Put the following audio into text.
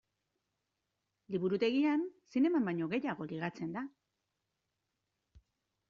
Liburutegian zineman baino gehiago ligatzen da.